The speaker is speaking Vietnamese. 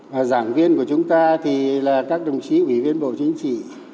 và giảng viên của chúng ta thì là các đồng chí ủy viên bộ chính trị